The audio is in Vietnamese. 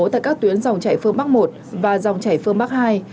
giữa các tuyến dòng chảy phương bắc i và dòng chảy phương bắc ii